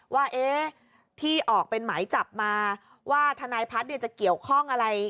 ว่าที่ออกเป็นหมายจับมาว่าทนายพัฒน์จะเกี่ยวข้องอะไร